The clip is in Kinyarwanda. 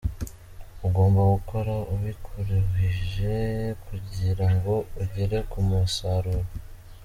Ugomba gukora ubikuruhije kugira ngo ugere ku musaruro”.